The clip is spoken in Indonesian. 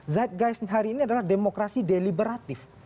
zeitgeist hari ini adalah demokrasi deliberatif